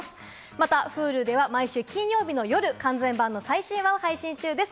またＨｕｌｕでは毎週金曜日の夜、完全版の最新話を配信中です。